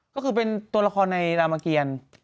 ก็คือเป็นตัวละครในรามเกียร